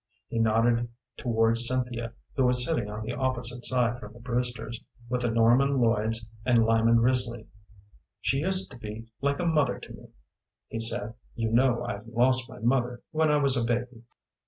He nodded towards Cynthia, who was sitting on the opposite side from the Brewsters, with the Norman Lloyds and Lyman Risley. "She used to be like a mother to me," he said. "You know I lost my mother when I was a baby."